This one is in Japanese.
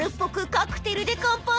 カクテルで乾杯］